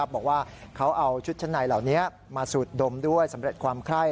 บอกว่าเขาเอาชุดชั้นในเหล่านี้มาสูดดมด้วยสำเร็จความไคร้